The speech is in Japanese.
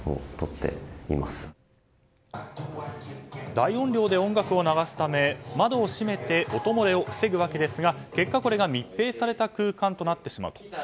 大音量で音楽を流すため窓を閉めて音漏れを防ぐわけですが結果、これが密閉された空間になってしまうと。